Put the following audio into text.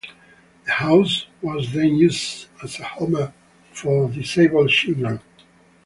The house was then used as a home for disabled children.